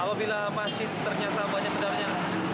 apabila masif ternyata banyak benarnya